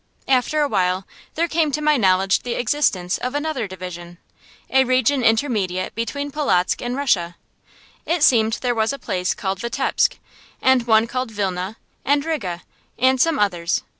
After a while there came to my knowledge the existence of another division, a region intermediate between Polotzk and Russia. It seemed there was a place called Vitebsk, and one called Vilna, and Riga, and some others.